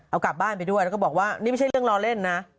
เอากลับบ้านไปด้วยแล้วก็บอกว่านี่ไม่ใช่เรื่องล้อเล่นนะ